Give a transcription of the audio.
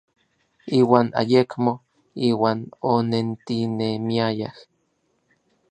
Iuan ayekmo iuan onentinemiayaj.